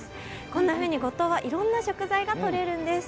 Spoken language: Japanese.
こんなふうに五島はいろんな食材がとれるんです。